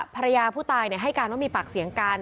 ภรรยาผู้ตายให้การว่ามีปากเสียงกัน